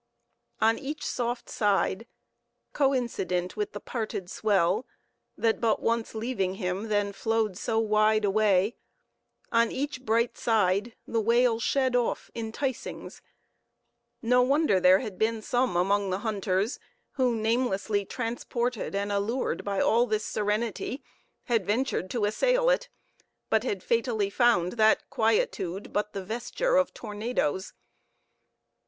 On each soft side—coincident with the parted swell, that but once leaving him, then flowed so wide away—on each bright side, the whale shed off enticings. No wonder there had been some among the hunters who namelessly transported and allured by all this serenity, had ventured to assail it; but had fatally found that quietude but the vesture of tornadoes.